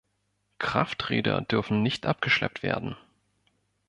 Krafträder dürfen nicht abgeschleppt werden.